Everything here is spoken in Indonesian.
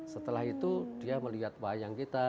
setelah itu dia melihat wayang kita